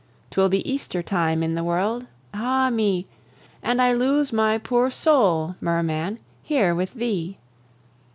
'Twill be Easter time in the world ah me! And I lose my poor soul, Merman! here with thee."